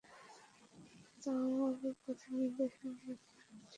তাও আবার পথের নির্দেশনা দিয়ে আপনাকে নিকটতম ফিলিং স্টেশনে পৌঁছেও দেবে।